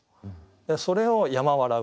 それを「山笑ふ」。